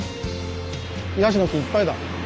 ヤシの木いっぱいだ。